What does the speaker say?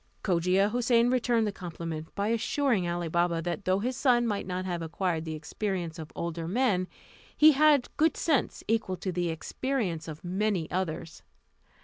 Cogia Houssain returned the compliment by assuring Ali Baba that though his son might not have acquired the experience of older men, he had good sense equal to the experience of many others.